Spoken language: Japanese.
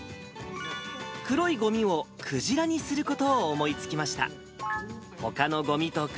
黒いごみをクジラにすることを思いつきました。